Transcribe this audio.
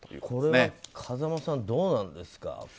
これは風間さん、どうなんですか。